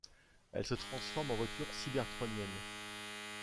Elle se transforme en voiture cybertronienne.